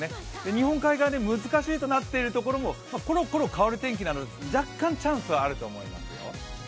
日本海側難しいとなっているところもころころ変わる天気なので若干チャンスはあると思いますよ。